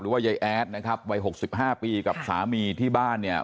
หรือว่ายายแอ๊ดนะครับวัยหกสิบห้าปีกับสามีที่บ้านเนี่ย